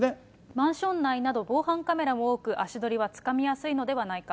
マンション内など、防犯カメラが多く、足取りはつかみやすいのではないか。